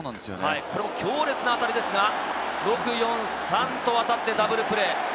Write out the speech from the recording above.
強烈な当たりですが、６・４・３と渡ってダブルプレー。